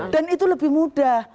dan itu lebih mudah